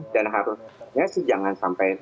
dan harusnya sih jangan sampai ekstrem